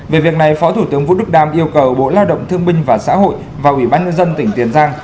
về việc này phó thủ tướng vũ đức đam yêu cầu bộ lao động thương minh và xã hội và ủy ban nhân dân tỉnh tiền giang